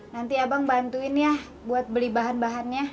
nanti abang bantuin ya buat beli bahan bahannya